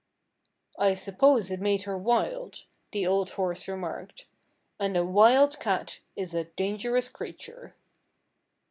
"I suppose it made her wild," the old horse remarked. "And a wild cat is a dangerous creature."